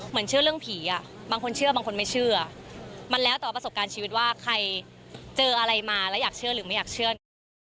เชื่อเรื่องผีอ่ะบางคนเชื่อบางคนไม่เชื่อมันแล้วแต่ว่าประสบการณ์ชีวิตว่าใครเจออะไรมาแล้วอยากเชื่อหรือไม่อยากเชื่อนะคะ